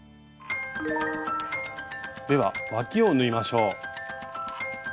ではわきを縫いましょう。